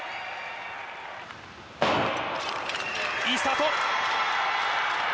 いいスタート。